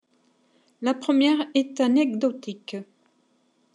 La première est anecdotique.